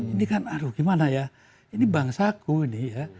ini kan aduh gimana ya ini bangsaku ini ya